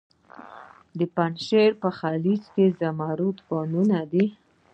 د پنجشیر په خینج کې د زمرد کانونه دي.